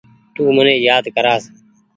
تو مني يآد ڪرآس ۔